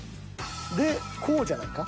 でこうじゃないか？